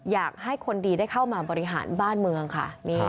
อยากให้คนดีได้เข้ามาบริหารบ้านเมืองค่ะ